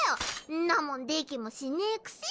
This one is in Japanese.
んなもんできもしねぇくせに。